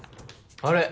あれ？